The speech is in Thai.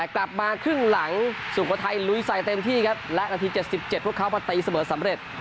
กลับมาครึ่งหลังสุโขทัยลุยใส่เต็มที่ครับและนาที๗๗พวกเขามาตีเสมอสำเร็จ